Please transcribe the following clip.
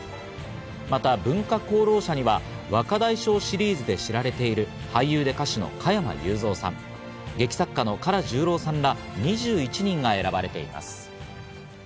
また文化功労者には若大将シリーズで知られている俳優で歌手の加山雄三さん、劇作家の唐十郎さんら２１人が選ばれています。